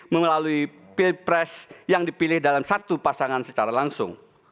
melalui pilpres yang dipilih dalam satu pasangan secara langsung